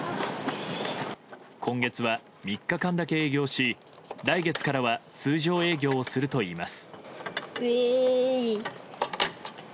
今月は３日間だけ営業し来月からは通常営業をするといいます。